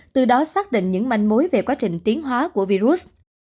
từ đó xác định những manh mối về quá trình tiến hóa của virus